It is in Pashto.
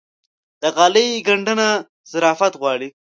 د غالۍ ګنډنه ظرافت غواړي.